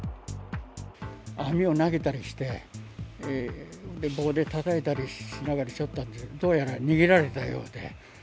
網を投げたりして棒でたたいたりしながらちょっと、どうやら逃げられたようで。